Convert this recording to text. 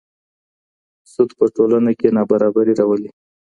سود په ټولنه کي نابرابري راولي.